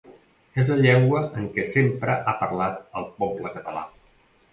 És la llengua en què sempre ha parlat el poble català.